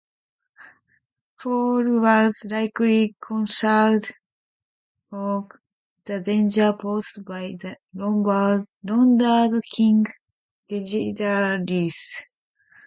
Paul was likely concerned of the danger posed by the Lombard king Desiderius.